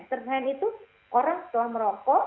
third hand itu orang setelah merokok